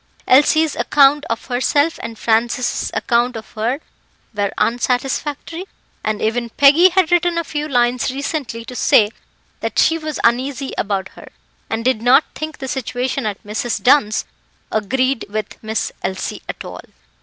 Elsie's account of herself, and Francis's accounts of her, were unsatisfactory, and even Peggy had written a few lines recently to say that she was uneasy about her, and did not think the situation at Mrs. Dunn's agreed with Miss Elsie at all.